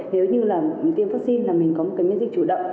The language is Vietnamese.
nếu như là tiêm vaccine là mình có một cái miễn dịch chủ động